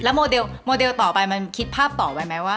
โมเดลต่อไปมันคิดภาพต่อไปไหมว่า